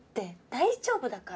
大丈夫だから。